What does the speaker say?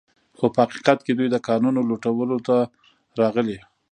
خو په حقیقت کې دوی د کانونو لوټولو ته راغلي